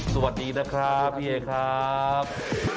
สวัสดีนะครับพี่เอครับ